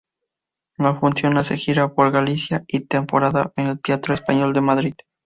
La función hace gira por Galicia y temporada en el Teatro Español de Madrid.